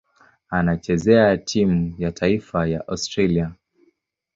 Anachezea timu ya taifa ya Australia.